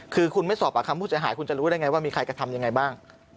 คือคุณไม่สอบปากคำผู้เสียหายคุณจะรู้ได้ไงว่ามีใครกระทำยังไงบ้าง